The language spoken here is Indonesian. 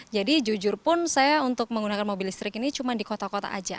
jadi jujur pun saya untuk menggunakan mobil listrik ini cuma di kota kota aja